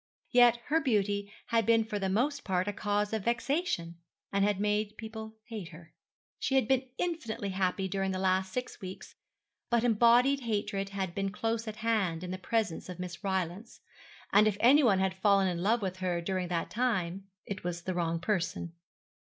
Yet her beauty had been for the most part a cause of vexation, and had made people hate her. She had been infinitely happy during the last six weeks; but embodied hatred had been close at hand in the presence of Miss Rylance; and if anyone had fallen in love with her during that time, it was the wrong person.